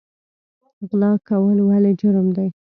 غلا کول ولې جرم دی؟